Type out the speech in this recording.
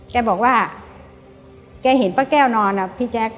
แกบอกว่าแกเห็นป้าแก้วนอนอะพี่แจ๊ค